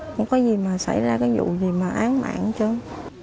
không có gì mà xảy ra cái vụ gì mà án mạng hết trơn